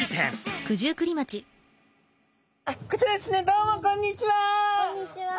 どうもこんにちは！